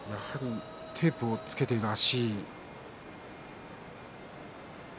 テープをつけている足。